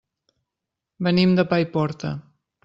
Venim de Paiporta.